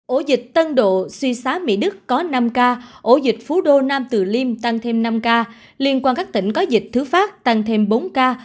ổ dịch tân độ suy xá mỹ đức có năm ca ổ dịch phú đô nam từ liêm tăng thêm năm ca liên quan các tỉnh có dịch thứ phát tăng thêm bốn ca